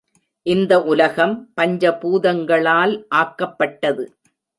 இந்த உலகம் பஞ்ச பூதங்களால் ஆக்கப்பட்டது.